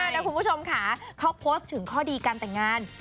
นะคุณผู้ชมค่ะเขาโพสต์ถึงข้อดีการแต่งงาน